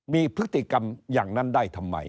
มีพฤติกรรมอย่างนั้นได้ทำไม